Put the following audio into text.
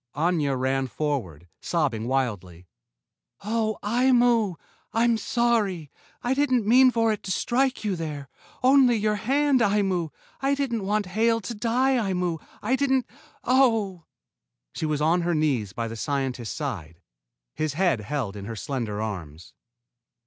Aña ran forward, sobbing wildly. "Oh, Aimu! I'm sorry! I didn't mean for it to strike you there. Only your hand, Aimu! I didn't want Hale to die, Aimu. I didn't oh!" She was on her knees by the scientist's side, his head held in her slender arms.